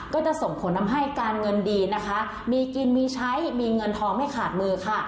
ก็จะส่งผลทำให้การเงินดีนะคะมีกินมีใช้มีเงินทองไม่ขาดมือค่ะ